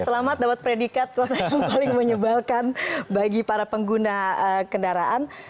selamat dapat predikat yang paling menyebalkan bagi para pengguna kendaraan